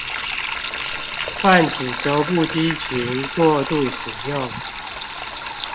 泛指肘部肌群過度使用